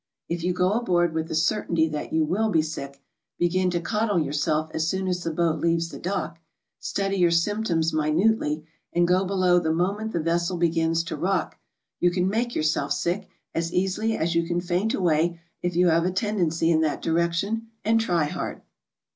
If you go aboard with the certainty that you will be sick, begin to cod dle yourself as soon as the boat leaves the dock, study your symptoms minutely, and go below the moment the vessel begins to rock, you can make yourself sick as easily as you can faint away if you have a tendency in that direction and try hard.